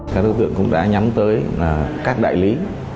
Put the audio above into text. các đối tượng cũng đã nhắm tới các đại lý